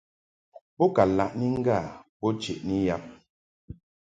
Bo ka laʼni ŋgâ bo cheʼni yab.